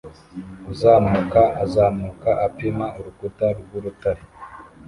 Uzamuka azamuka apima urukuta rw'urutare